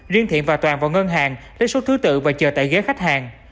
riêng thiện và toàn vào ngân hàng lấy số thứ tự và chờ tại ghế khách hàng